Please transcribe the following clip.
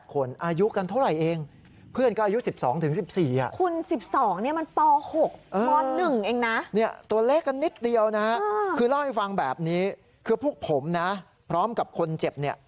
คือเล่าให้ฟังแบบนี้คือพวกผมนะพร้อมกับคนเจ็บเนี่ย